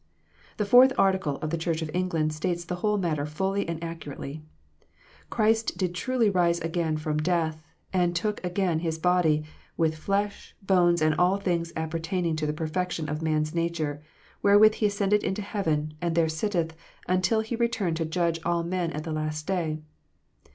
The Fourth Article of the Church of England states the whole matter fully and accurately :" Christ did truly rise again from death, and took again His body, with flesh, bones, and all things appertaining to the perfection of man s nature : wherewith He ascended into heaven, and there sitteth, until He return to judge all men at the last day."